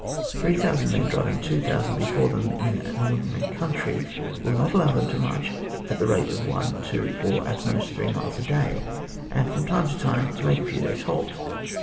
Three thousand men driving two thou sand before them in an ordinary country, will not allow them to march at the rate of 1, 2, or at most 3 miles a day, and from time to time to make a few days' halt.